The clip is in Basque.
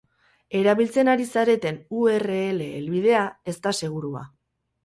Erabiltzen ari zareten u erre ele helbidea ez da segurua.